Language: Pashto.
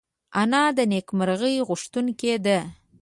انا د نېکمرغۍ غوښتونکې ده